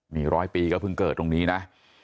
มีร้อยปีก็เพิ่งเกิดตรงนี้นะ